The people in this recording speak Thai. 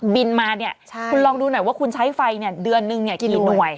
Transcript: บินมาเนี่ยคุณลองดูหน่อยว่าคุณใช้ไฟเดือนนึงกี่หน่วย